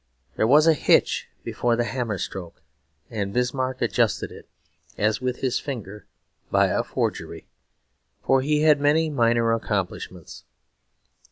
There was a hitch before the hammer stroke, and Bismarck adjusted it, as with his finger, by a forgery for he had many minor accomplishments.